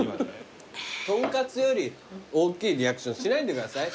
豚カツより大きいリアクションしないでくださいハイボールで。